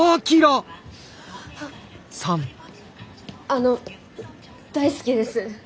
ああの大好きです